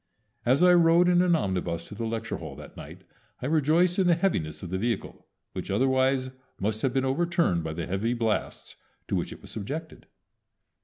As I rode in an omnibus to the lecture hall that night, I rejoiced in the heaviness of the vehicle, which otherwise must have been overturned by the heavy blasts to which it was subjected.